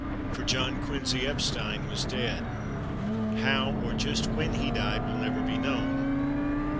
For John Quincy Epstein was dead. How or just when he died will never be known.